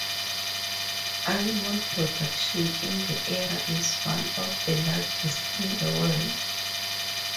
Almond production in the area is one of the largest in the world.